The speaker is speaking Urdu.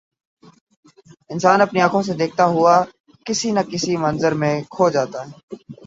انسان اپنی آنکھوں سے دیکھتا ہوا کسی نہ کسی منظر میں کھو جاتا ہے